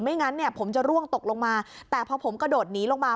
งั้นเนี่ยผมจะร่วงตกลงมาแต่พอผมกระโดดหนีลงมา